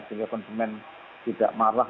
sehingga konsumen tidak marah